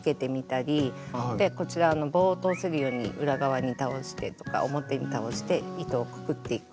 こちら棒を通せるように裏側に倒してとか表に倒して糸をくくっていく。